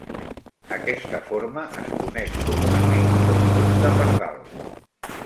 Aquesta forma es coneix comunament com nus de pardal.